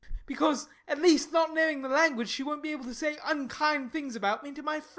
Because, at least, not knowing the language, she won't be able to say unkind things about me to my friends.